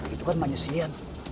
itu kan manusia